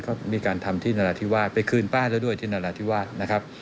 ก็มีการทำที่นราธิวาสไปคืนป้าแล้วด้วยที่นราธิวาสนะครับ